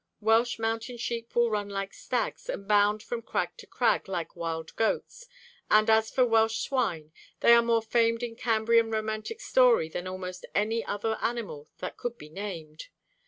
Welsh mountain sheep will run like stags, and bound from crag to crag like wild goats; and as for Welsh swine, they are more famed in Cambrian romantic story than almost any other animal that could be named.